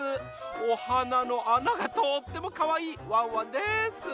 おはなのあながとってもかわいいワンワンです！